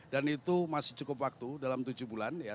dan itu masih cukup waktu dalam tujuh bulan ya